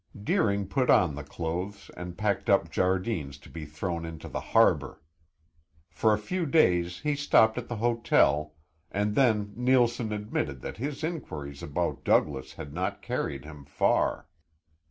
Deering put on the clothes and packed up Jardine's to be thrown into the harbor. For a few days he stopped at the hotel, and then Neilson admitted that his inquiries about Douglas had not carried him far.